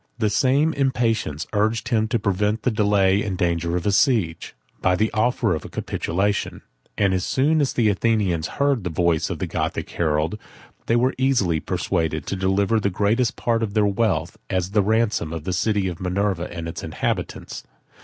The same impatience urged him to prevent the delay and danger of a siege, by the offer of a capitulation; and as soon as the Athenians heard the voice of the Gothic herald, they were easily persuaded to deliver the greatest part of their wealth, as the ransom of the city of Minerva and its inhabitants.